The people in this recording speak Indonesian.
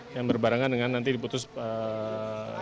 yang berbarangan dengan nanti diputuskan